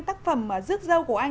tác phẩm rước dâu của anh